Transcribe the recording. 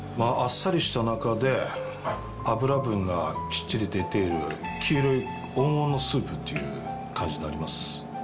あっさりした中で脂分がきっちり出ている黄色い黄金のスープっていう感じになります。